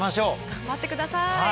頑張って下さい！